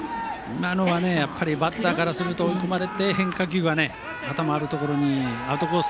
今のはバッターからすると変化球が頭あるところにアウトコース